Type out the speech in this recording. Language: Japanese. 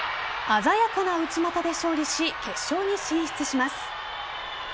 鮮やかな内股で勝利し決勝に進出します。